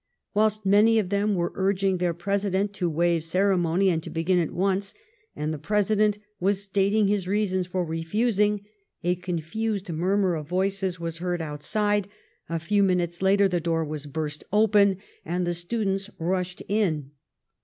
^\'hilst many of them were urging their Presi dent to waive ceremony and to begin at once, and the President was stating his reasons for refusing, a confused murmur of voices was heard outside ; a few minutes later the door was burst open, and the students rushed in.